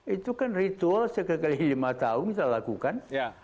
itu kan ritual sekali lima tahun kita lakukan